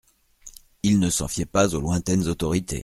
Il ne s'en fiait pas aux lointaines autorités.